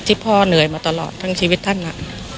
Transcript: พ่อเหนื่อยมาตลอดทั้งชีวิตท่านน่ะ